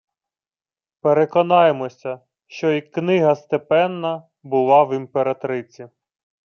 Переконаймося, що і «Книга степенна…» була в імператриці: